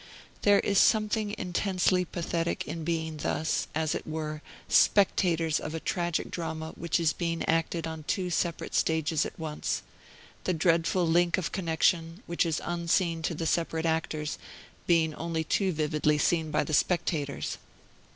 There is something intensely pathetic in being thus, as it were, spectators of a tragic drama which is being acted on two separate stages at once the dreadful link of connection, which is unseen to the separate actors, being only too vividly seen by the spectators.